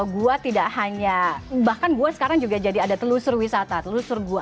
gua tidak hanya bahkan gua sekarang juga jadi ada telusur wisata telusur gua